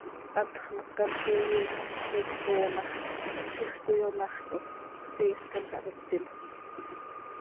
Hantx mocat coi iionatz coi tcooo ma x, ziix cöiyonaxcoj, siiscan xah taa, ittimjöc.